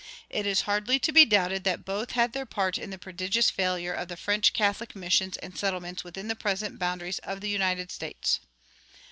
[27:1] It is hardly to be doubted that both had their part in the prodigious failure of the French Catholic missions and settlements within the present boundaries of the United States.